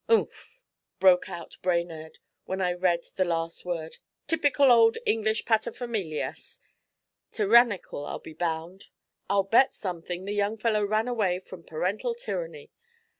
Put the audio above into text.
"' 'Umph!' broke out Brainerd, when I had read the last word. 'Typical old English paterfamilias! Tyrannical, I'll be bound. I'll bet something the young fellow ran away from parental tyranny.